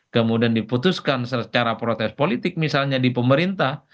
kemudian diputuskan secara protes politik misalnya di pemerintah